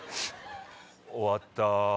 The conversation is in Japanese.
終わった。